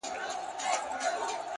o هو زه پوهېږمه؛ خیر دی یو بل چم وکه؛